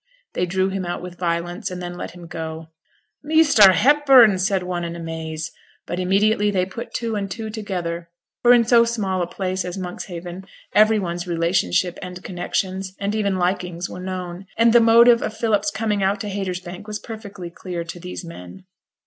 They drew him out with violence, and then let him go. 'Measter Hepburn!' said one in amaze. But immediately they put two and two together; for in so small a place as Monkshaven every one's relationships and connexions, and even likings, were known; and the motive of Philip's coming out to Haytersbank was perfectly clear to these men.